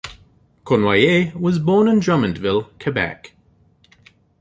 Cournoyer was born in Drummondville, Quebec.